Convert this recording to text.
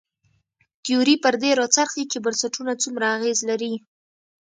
تیوري پر دې راڅرخي چې بنسټونه څومره اغېز لري.